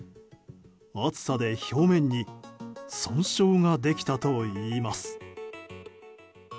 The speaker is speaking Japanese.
暑さで表面に損傷ができたといいます。